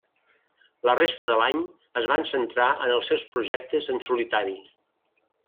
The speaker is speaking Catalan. La resta de l'any es van centrar en els seus projectes en solitari.